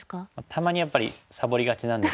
たまにやっぱりさぼりがちなんですけど。